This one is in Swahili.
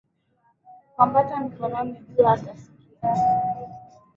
Hukwambata Mikononi Dua atasikia